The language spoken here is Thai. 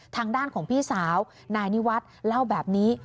ทางด้านของพี่สาวนายนิวัฒน์เล่าแบบนี้